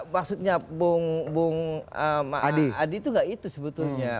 maksudnya bung adi itu nggak itu sebetulnya